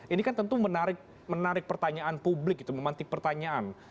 ini kan tentu menarik pertanyaan publik itu memantik pertanyaan